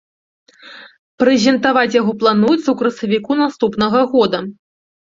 Прэзентаваць яго плануецца ў красавіку наступнага года.